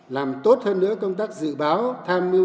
làm tốt hơn nữa công tác dự báo